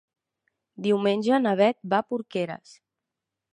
Diumenge na Bet va a Porqueres.